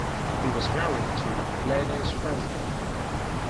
He was married to Gladys Frazin.